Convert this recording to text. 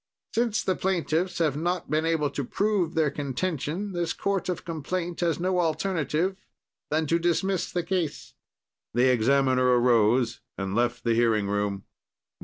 "Since the plaintiffs have not been able to prove their contention, this court of complaint has no alternative than to dismiss the case." The examiner arose and left the hearing room.